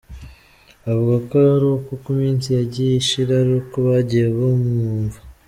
Avuga ko ariko uko iminsi yagiye ishira ariko bagiye bamwumva.